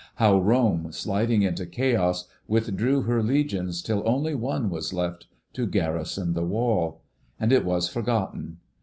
"How Rome, sliding into Chaos, withdrew her Legions till only one was left to garrison the Wall. And it was forgotten.